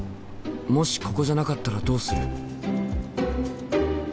もしここじゃなかったらどうする？